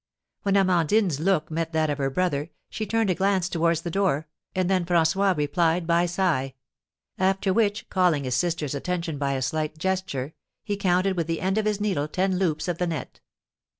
When Amandine's look met that of her brother, she turned a glance towards the door, and then François replied by sigh; after which, calling his sister's attention by a slight gesture, he counted with the end of his needle ten loops of the net.